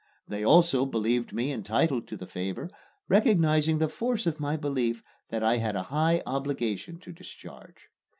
They also believed me entitled to the favor, recognizing the force of my belief that I had a high obligation to discharge.